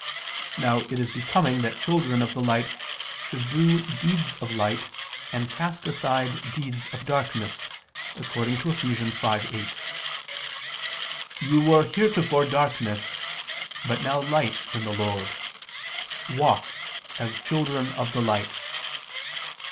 Now it is becoming that children of the light should do deeds of light and cast aside deeds of darkness, according to Eph. 5:8: "You were heretofore darkness, but now light in the Lord. Walk ... as children of the light."